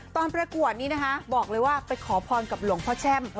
ประกวดนี้นะคะบอกเลยว่าไปขอพรกับหลวงพ่อแช่ม